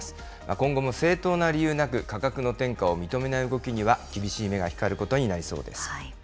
今後も正当な理由なく価格の転嫁を認めない動きには、厳しい目が光ることになりそうです。